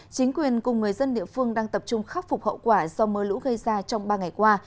chính quyền cùng người dân địa phương đang tập trung khắc phục hậu quả do mưa lũ gây ra trong ba ngày qua